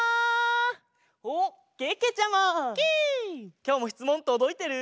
きょうもしつもんとどいてる？